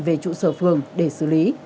về trụ sở phường để xử lý